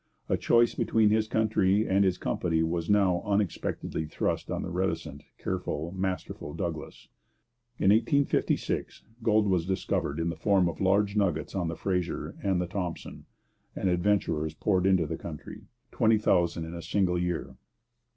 A choice between his country and his company was now unexpectedly thrust on the reticent, careful, masterful Douglas. In 1856 gold was discovered in the form of large nuggets on the Fraser and the Thompson, and adventurers poured into the country 20,000 in a single year.